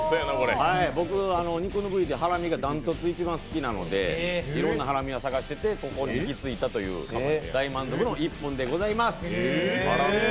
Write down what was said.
僕、肉の部位でハラミがダントツで一番好きで、いろんなハラミ屋探しててここに行き着いたという大満足の１本でございます。